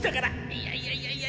いやいやいやいや。